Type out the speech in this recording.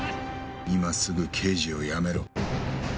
今すぐ刑事を辞めろ。